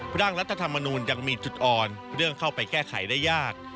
ร่างรัฐธรรมนูลยังมีจุดอ่อนเรื่องเข้าไปแก้ไขได้ยาก